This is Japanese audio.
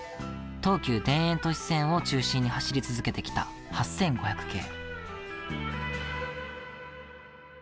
東急田園都市線を中心に走り続けてきた８５００系。